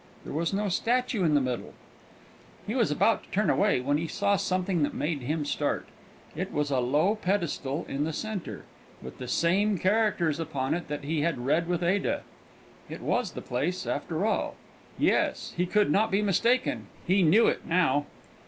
There was no statue in the middle. He was about to turn away, when he saw something that made him start; it was a low pedestal in the centre, with the same characters upon it that he had read with Ada. It was the place, after all; yes, he could not be mistaken; he knew it now.